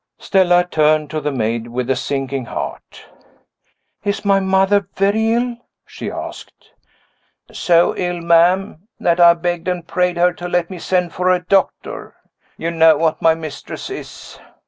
Stella turned to the maid with a sinking heart. "Is my mother very ill?" she asked. "So ill, ma'am, that I begged and prayed her to let me send for a doctor. You know what my mistress is.